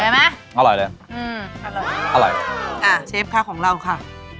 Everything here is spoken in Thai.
อร่อยนะครับอร่อยเลยอื้อเอาหน่อยอะเชฟค่ะของเราค่ะ